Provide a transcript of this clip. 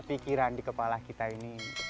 pikiran di kepala kita ini